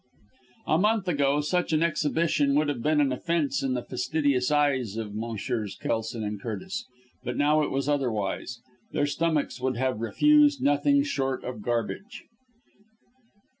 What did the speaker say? A month ago such an exhibition would have been an offence in the fastidious eyes of Messrs. Kelson and Curtis; but now it was otherwise. Their stomachs would have refused nothing short of garbage.